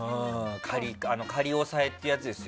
仮押さえってやつですよ